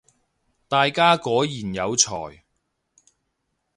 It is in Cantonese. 大家果然有才